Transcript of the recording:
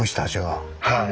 はい。